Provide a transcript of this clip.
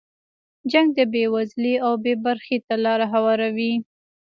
جنګ د بې وزلۍ او بې برخې ته لاره هواروي.